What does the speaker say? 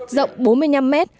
rộng bốn mươi năm m